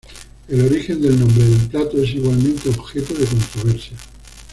El origen del nombre del plato es igualmente objeto de controversia.